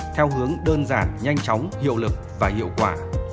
theo hướng đơn giản nhanh chóng hiệu lực và hiệu quả